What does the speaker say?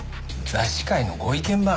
雑誌界のご意見番。